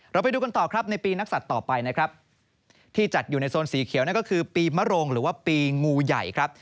ไปดูกันต่อครับในปีนักศัตริย์ต่อไปนะครับที่จัดอยู่ในโซนสีเขียวนั่นก็คือปีมโรงหรือว่าปีงูใหญ่ครับ